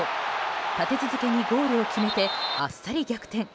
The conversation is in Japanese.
立て続けにゴールを決めてあっさり逆転。